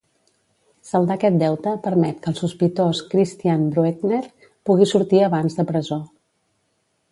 Saldar aquest deute permet que el sospitós Christian Brueckner pugui sortir abans de presó